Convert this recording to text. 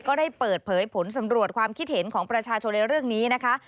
ก็ได้เปิดเผยผลสำรวจความคิดเห็นของประชาชนในเรื่องนี้นะคะ